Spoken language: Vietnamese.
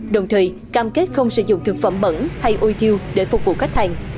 đồng thời cam kết không sử dụng thực phẩm bẩn hay ôi thiêu để phục vụ khách hàng